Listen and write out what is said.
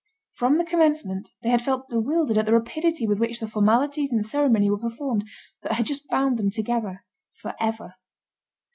From the commencement, they had felt bewildered at the rapidity with which the formalities and ceremony were performed, that had just bound them together for ever.